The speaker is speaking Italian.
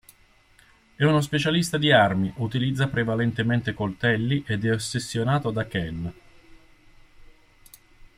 È uno specialista di armi, utilizza prevalentemente coltelli, ed è ossessionato da Ken.